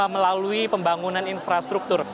melalui pembangunan infrastruktur